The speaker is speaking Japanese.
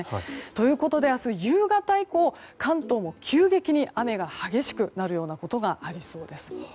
ということで明日夕方以降関東も急激に雨が激しくなるようなことがありそうです。